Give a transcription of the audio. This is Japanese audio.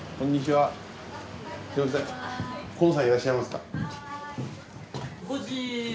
はい。